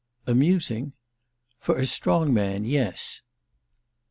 "Amusing?" "For a strong man—yes."